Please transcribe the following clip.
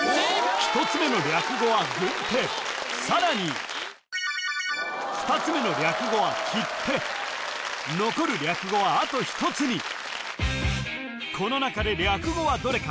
１つ目の略語は軍手さらに２つ目の略語は切手残る略語はあと１つにこの中で略語はどれか？